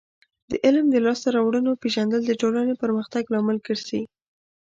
د علم د لاسته راوړنو پیژندل د ټولنې پرمختګ لامل ګرځي.